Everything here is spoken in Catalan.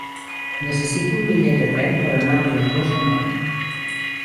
Necessito un bitllet de tren per anar a Regencós demà.